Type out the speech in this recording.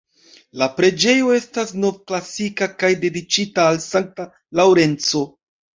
La preĝejo estas novklasika kaj dediĉita al Santa Laŭrenco.